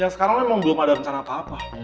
ya sekarang emang belum ada rencana apa apa